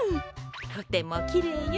とてもきれいよ。